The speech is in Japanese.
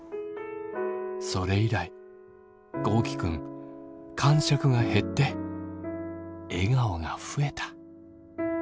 それ以来豪輝君かんしゃくが減って笑顔が増えた。